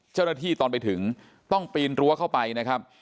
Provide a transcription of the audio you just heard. เจ้าหน้าที่ตอนไปถึงต้องปีนรั้วเข้าไปนะครับ